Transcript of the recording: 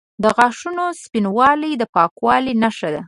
د غاښونو سپینوالی د پاکوالي نښه ده.